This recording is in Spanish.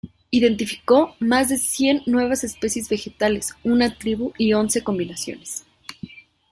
Identificó más de cien nuevas especies vegetales, una tribu, y once combinaciones.